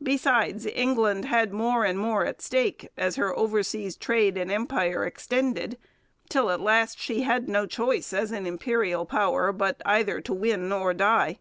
Besides, England had more and more at stake as her oversea trade and empire extended, till at last she had no choice, as an imperial power, but either to win or die.